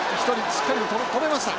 しっかりと止めました。